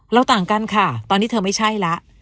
ต่างกันค่ะตอนนี้เธอไม่ใช่แล้ว